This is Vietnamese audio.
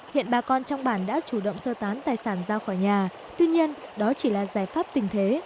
hiện bà con trong bản đã chủ động sơ tán tài sản ra khỏi nhà tuy nhiên đó chỉ là giải pháp tình thế